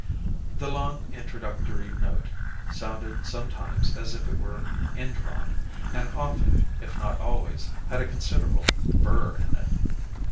The long introductory note sounded sometimes as if it were indrawn, and often, if not always, had a considerable burr in it.